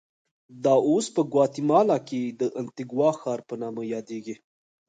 دا اوس په ګواتیمالا کې د انتیګوا ښار په نامه یادېږي.